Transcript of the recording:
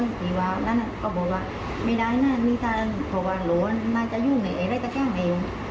นี่เรื่องฝั่งแม่